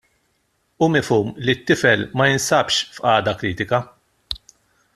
Hu mifhum li t-tifel ma jinsabx f'qagħda kritika.